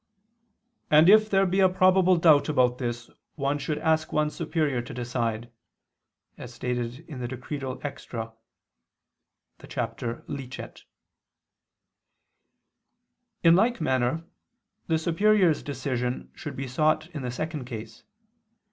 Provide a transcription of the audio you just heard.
"And if there be a probable doubt about this, one should ask one's superior to decide" (Extra, De Regular. et Transeunt. ad Relig., cap. Licet.). In like manner the superior's decision should be sought in the second case.